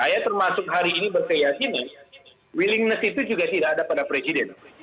saya termasuk hari ini berkeyakinan willingness itu juga tidak ada pada presiden